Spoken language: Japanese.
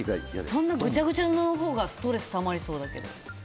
そんなぐちゃぐちゃのほうがストレスたまりそうだけど。